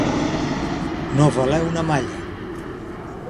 No valer una malla.